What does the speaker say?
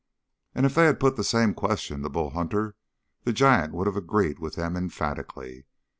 And if they had put the same question to Bull Hunter, the giant would have agreed with them emphatically.